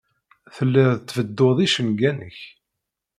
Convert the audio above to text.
Telliḍ tbeḍḍuḍ icenga-nnek.